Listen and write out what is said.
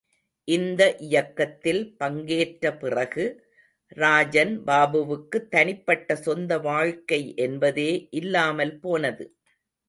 இந்த இயக்கத்தில் பங்கேற்ற பிறகு, ராஜன் பாபுவுக்குத் தனிப்பட்ட சொந்த வாழ்க்கை என்பதே இல்லாமல் போனது.